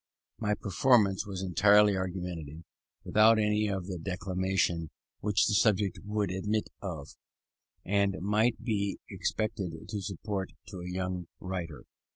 My performance was entirely argumentative, without any of the declamation which the subject would admit of, and might be expected to suggest to a young writer.